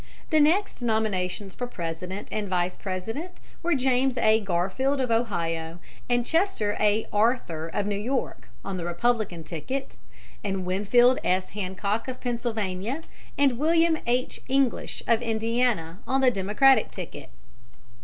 The next nominations for President and Vice President were James A. Garfield, of Ohio, and Chester A. Arthur, of New York, on the Republican ticket, and Winfield S. Hancock, of Pennsylvania, and William H. English, of Indiana, on the Democratic ticket.